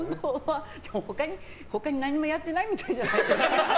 他に何もやってないみたいじゃないですか。